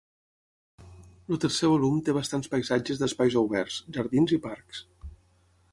El tercer volum té bastants paisatges d'espais oberts, jardins i parcs.